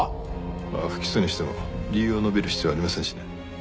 まあ不起訴にしても理由を述べる必要ありませんしね。